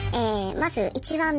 まず１番目。